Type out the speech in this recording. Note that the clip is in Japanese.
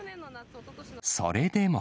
それでも。